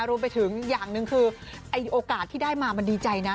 รวมไปถึงอย่างหนึ่งคือไอ้โอกาสที่ได้มามันดีใจนะ